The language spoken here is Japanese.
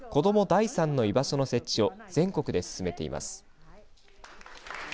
第三の居場所の設置を全国で進めています。